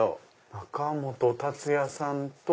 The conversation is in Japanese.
中本達也さんと。